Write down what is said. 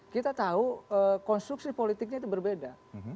kita tahu konstruksi politiknya itu berbeda